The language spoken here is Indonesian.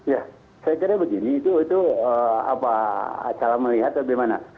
ya saya kira begini itu itu apa salah melihat bagaimana